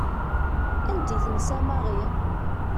Anda i tensa Mary?